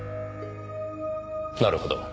なるほど。